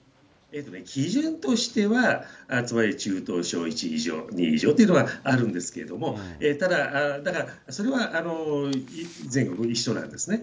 基準としては、つまり中等症１以上、２以上というのはあるんですけども、ただ、だからそれは全国一緒なんですね。